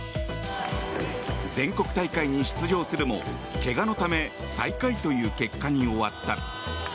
全国大会に出場するも怪我のため最下位という結果に終わった。